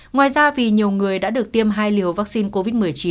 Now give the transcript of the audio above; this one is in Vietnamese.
ngoài ra vì nhiều người đã được tiêm hai liều vaccine covid một mươi chín